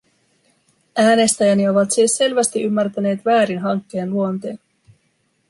Äänestäjäni ovat siis selvästi ymmärtäneet väärin hankkeen luonteen.